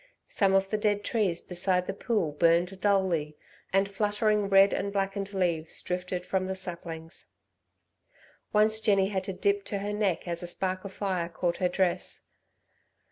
Some of the dead trees beside the pool burned dully, and fluttering red and blackened leaves drifted from the saplings. Once Jenny had to dip to her neck as a spark of fire caught her dress.